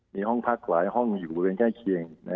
มีห้องพักหลายห้องอยู่ในแก้เคียง